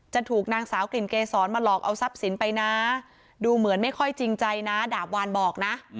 ถูกนางสาวกลิ่นเกษรมาหลอกเอาทรัพย์สินไปนะดูเหมือนไม่ค่อยจริงใจนะดาบวานบอกนะ